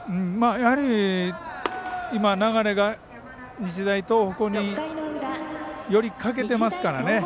やはり今流れが日大東北に寄りかけていますからね。